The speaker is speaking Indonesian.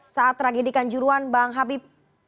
saat tragedikan juruan bang habib